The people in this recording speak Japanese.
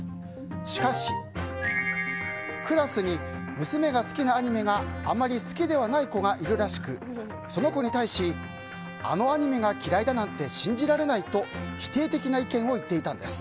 しかし、クラスに娘が好きなアニメがあまり好きではない子がいるらしくその子に対し、あのアニメが嫌いだなんて信じられないと否定的な意見を言っていたんです。